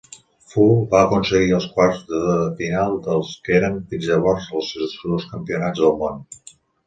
Fu va aconseguir els quarts de final dels que eren fins llavors els seus dos campionats del món.